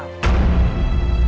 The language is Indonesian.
jamu itu berasal dari mana